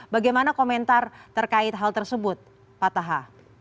bagaimana komentar terkait hal tersebut pak taha